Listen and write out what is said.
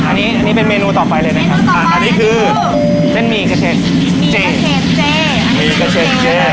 อันนี้เป็นเมนูต่อไปเลยนะครับอันนี้คือเส้นมีเกษตรเจ